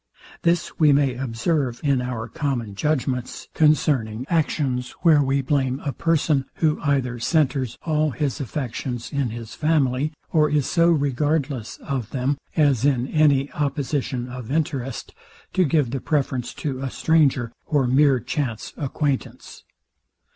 This we may observe in our common judgments concerning actions, where we blame a person, who either centers all his affections in his family, or is so regardless of them, as, in any opposition of interest, to give the preference to a stranger, or mere chance acquaintance.